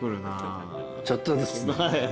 ちょっとずつね。